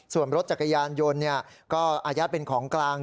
ส่วนรถจักรยานยนต์เนี่ยก็อาญาเป็นของกลาง